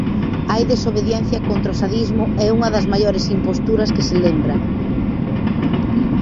Hai desobediencia contra o sadismo e unha das maiores imposturas que se lembra.